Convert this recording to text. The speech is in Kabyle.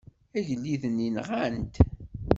Agellid-nni nɣan-t.